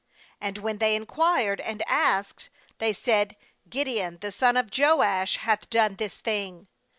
And when they inquired and asked, they said :' Gideon the son of Joash hath done this thing.'